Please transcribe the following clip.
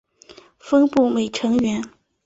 峰步美成员。